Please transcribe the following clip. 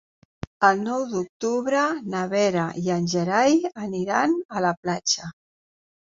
El nou d'octubre na Vera i en Gerai aniran a la platja.